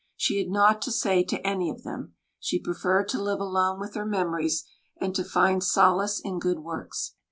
She had naught to say to any of them. She preferred to live alone with her memories, and to find solace in good works.